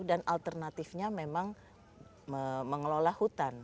karena alternatifnya memang mengelola hutan